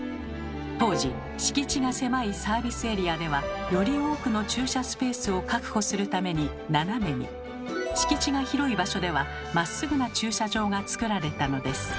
当時敷地が狭いサービスエリアではより多くの駐車スペースを確保するために斜めに敷地が広い場所ではまっすぐな駐車場がつくられたのです。